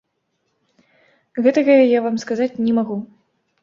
Гэтага я вам сказаць не магу.